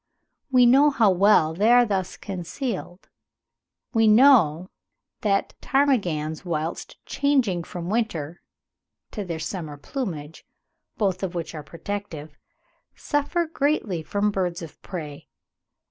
We know how well they are thus concealed; we know that ptarmigans, whilst changing from their winter to their summer plumage, both of which are protective, suffer greatly from birds of prey.